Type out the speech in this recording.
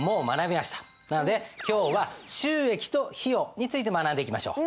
なので今日は収益と費用について学んでいきましょう。